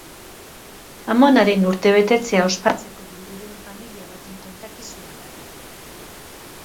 Amonaren urtebetetzea ospatzeko bildu den familia baten kontakizuna dakar.